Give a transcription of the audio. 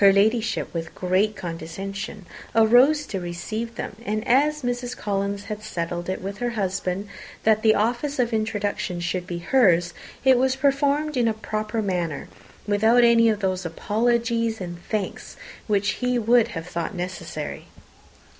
Her Ladyship, with great condescension, arose to receive them; and as Mrs. Collins had settled it with her husband that the office of introduction should be hers, it was performed in a proper manner, without any of those apologies and thanks which he would have thought necessary.